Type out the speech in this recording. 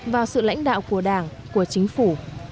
và sự lãnh đạo của đảng của chính phủ